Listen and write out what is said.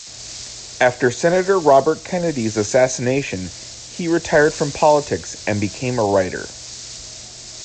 After Senator Robert Kennedy's assassination he retired from politics and became a writer.